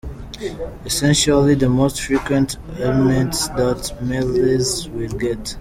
essentially the most frequent ailments that males will get.